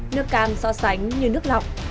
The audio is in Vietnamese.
nước cam so sánh như nước lọc